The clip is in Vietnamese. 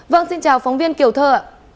vâng xin chào phóng viên kiều thơ ạ